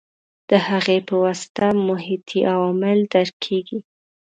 د هغې په واسطه محیطي عوامل درک کېږي.